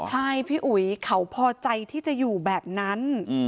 ใช่พี่อุ๋ยเขาพอใจที่จะอยู่แบบนั้น